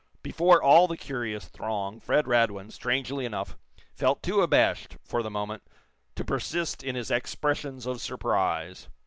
Before all the curious throng Fred Radwin, strangely enough, felt too abashed, for the moment, to persist in his expressions of surprise.